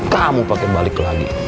kamu pake balik lagi